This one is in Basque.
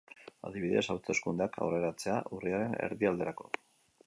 Adibidez, hauteskundeak aurreratzea urriaren erdialderako.